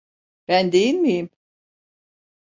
Ben değil miyim?